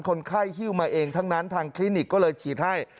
คนไข้หิ้วมาเองทั้งนั้นทางคลินิกก็เลยฉีดให้